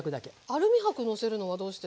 アルミ箔のせるのはどうしてですか？